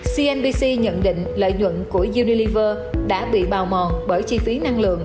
cnbc nhận định lợi nhuận của univer đã bị bào mòn bởi chi phí năng lượng